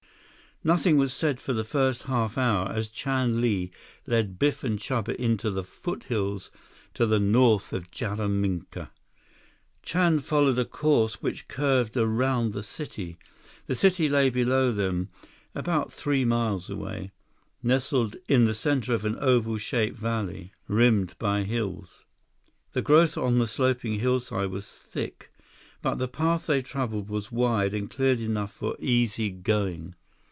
145 Nothing was said for the first half hour as Chan Li led Biff and Chuba into the foothills to the north of Jaraminka. Chan followed a course which curved around the city. The city lay below them, about three miles away, nestled in the center of an oval shaped valley, rimmed by hills. The growth on the sloping hillside was thick, but the path they traveled was wide and cleared enough for easy going.